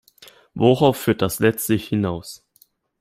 Worauf führt das letztlich hinaus?